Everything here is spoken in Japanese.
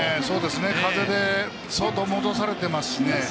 風で、相当戻されていますしね。